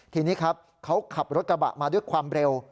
ทีนี้ครับเขาขับรถกระบะมาด้วยความเร็ว